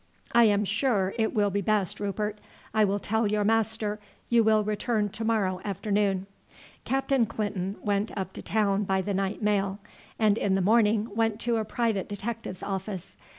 "I am sure it will be best, Rupert. I will tell your master you will return to morrow afternoon." Captain Clinton went up to town by the night mail, and in the morning went to a private detective's office.